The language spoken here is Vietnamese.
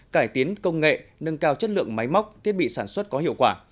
cải tiến công nghệ nâng cao chất lượng máy móc thiết bị sản xuất có hiệu quả